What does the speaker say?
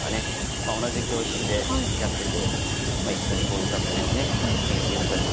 まあ同じ教室でやってて一緒にこういう作戦をね研究したりしてたんですよ。